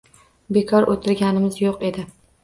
Bekor oʻtirganimiz yoʻq edi.